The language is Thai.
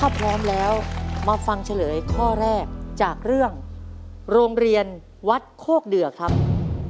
ถ้าพร้อมแล้วมาฟังเฉลยข้อแรกจากเรื่องโรงเรียนวัดโคกเดือครับ